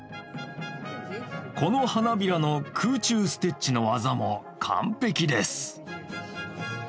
この花びらの空中ステッチの技も完璧です。